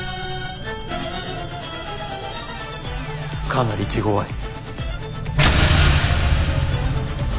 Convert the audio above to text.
かなり手ごわい。